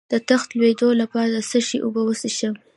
د تخه د لوییدو لپاره د څه شي اوبه وڅښم؟